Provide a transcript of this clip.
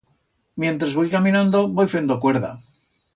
Mientres voi caminando, voi fendo cuerda.